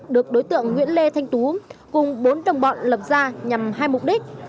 được đối tượng nguyễn lê thanh tú cùng bốn đồng bọn lập ra nhằm hai mục đích